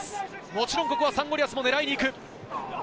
もちろん、ここはサンゴリアスも狙いに行く。